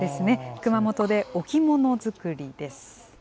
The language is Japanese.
熊本で置物作りです。